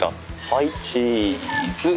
はいチーズ。